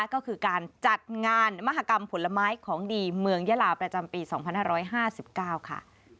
ก็คือการจัดงานมหากรรมผลไม้ของดีเมืองยาลาประจำปี๒๕๕๙ค่ะ